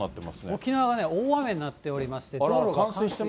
沖縄はね、大雨になっておりまして。